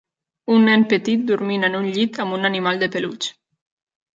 Un nen petit dormint en un llit amb un animal de peluix.